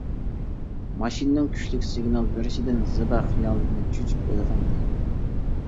ماشىنىنىڭ كۈچلۈك سىگنال بېرىشىدىن زىبا خىيالىدىن چۆچۈپ ئويغاندى.